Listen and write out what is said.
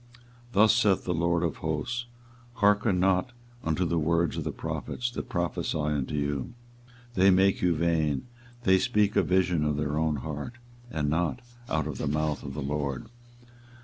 24:023:016 Thus saith the LORD of hosts, Hearken not unto the words of the prophets that prophesy unto you: they make you vain: they speak a vision of their own heart, and not out of the mouth of the LORD.